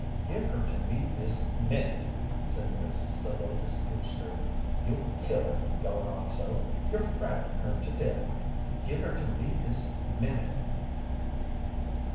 "Give her to me this minute!" said Mrs. Zelotes Brewster. "You'll kill her, goin' on so. You're frightenin' her to death. Give her to me this minute!"